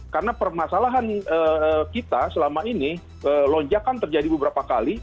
karena permasalahan kita selama ini lonjakan terjadi beberapa kali